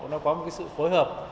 nó có một sự phối hợp